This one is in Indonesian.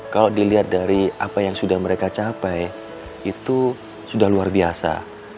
kalau dilihat dari apa yang sudah mereka capai itu sudah luar biasa